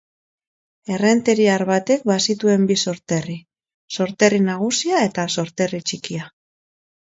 Errenteriar batek bazituen bi sorterri: sorterri nagusia eta sorterri txikia.